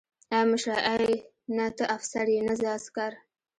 ای مشره ای نه ته افسر يې نه زه عسکر.